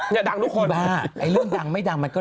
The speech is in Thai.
นี่ดั่งทุกคนบ้าเรื่องดังไม่ดังมันก็